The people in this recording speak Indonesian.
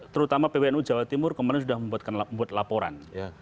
terutama pwnu jawa timur kemarin sudah membuat laporan